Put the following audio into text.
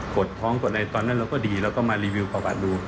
ดท้องกดอะไรตอนนั้นเราก็ดีเราก็มารีวิวประวัติดู